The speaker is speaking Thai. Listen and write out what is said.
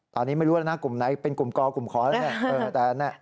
ตอนนี้ไม่รู้แล้วนะกลุ่มไหนเป็นกลุ่มกอกลุ่มคอแล้วเนี่ย